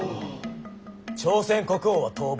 朝鮮国王は逃亡。